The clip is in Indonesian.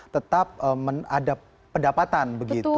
tetap ada pendapatan begitu